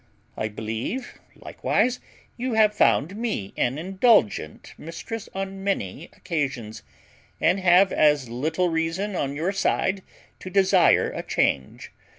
I believe, likewise, you have found me an indulgent mistress on many occasions, and have as little reason on your side to desire a change.